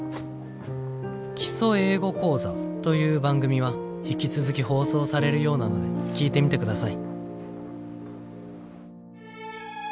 『基礎英語講座』という番組は引き続き放送されるようなので聴いてみてください」。